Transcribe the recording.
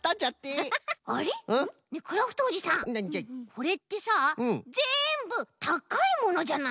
これってさぜんぶ「たかいもの」じゃない？